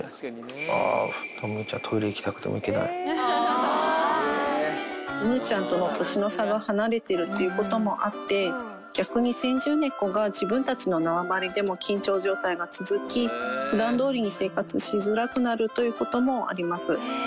ああ、むぅちゃん、むぅちゃんとの年の差が離れてるっていうこともあって、逆に先住猫が自分たちの縄張りでも緊張状態が続き、ふだんどおりに生活しづらくなるということもあります。